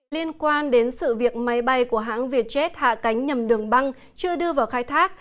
liên quan đến sự việc máy bay của hãng vietjet hạ cánh nhầm đường băng chưa đưa vào khai thác